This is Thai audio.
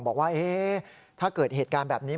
บอกว่าถ้าเกิดเหตุการณ์แบบนี้